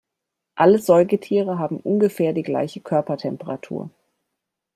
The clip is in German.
Alle Säugetiere haben ungefähr die gleiche Körpertemperatur.